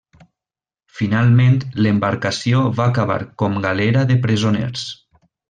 Finalment l'embarcació va acabar com galera de presoners.